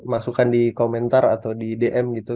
masukan di komentar atau di dm gitu